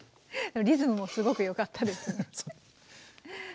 リズムもすごく良かったですね。